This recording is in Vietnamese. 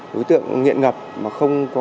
tối tượng nghiện ngập mà không có